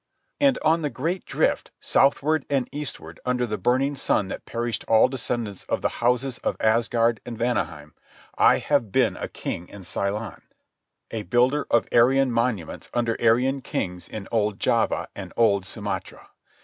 And on the great drift, southward and eastward under the burning sun that perished all descendants of the houses of Asgard and Vanaheim, I have been a king in Ceylon, a builder of Aryan monuments under Aryan kings in old Java and old Sumatra.